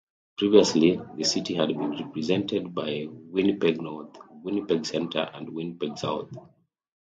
Previously, the city had been represented by Winnipeg North, Winnipeg Centre and Winnipeg South.